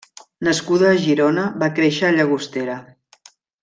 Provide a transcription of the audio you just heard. Nascuda a Girona, va créixer a Llagostera.